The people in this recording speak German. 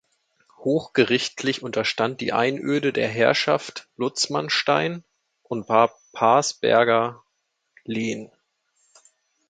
Hochgerichtlich unterstand die Einöde der Herrschaft Lutzmannstein und war Parsberger Lehen.